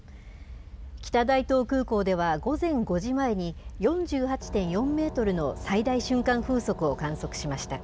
北大東空港では午前５時前に、４８．４メートルの最大瞬間風速を観測しました。